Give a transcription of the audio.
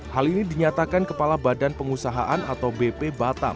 hal ini dinyatakan kepala badan pengusahaan atau bp batam